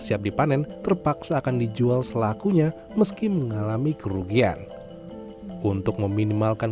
siap dipanen terpaksa akan dijual selakunya meski mengalami kerugian untuk meminimalkan